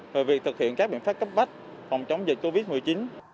về việc thực hiện các biện pháp cấp bách phòng chống dịch covid một mươi chín